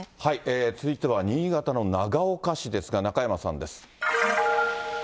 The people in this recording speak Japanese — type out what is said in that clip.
続いては新潟の長岡市ですが、中山さんです。